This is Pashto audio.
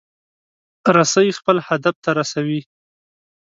رسۍ خپل هدف ته رسوي.